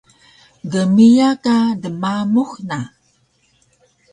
gmiya ka dnamux na